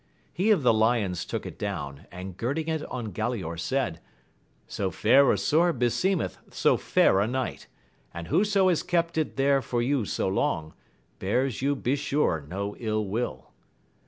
He of the lions took it down, and girding it on Galaor said, So fair a sword beseemeth so fair a knight, and whoso has kept it there for you so long, bears you besure no ill will.